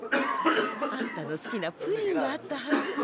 あんたの好きなプリンがあったはず。